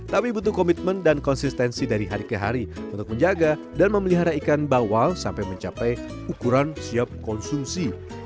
tapi butuh komitmen dan konsistensi dari hari ke hari untuk menjaga dan memelihara ikan bawal sampai mencapai ukuran siap konsumsi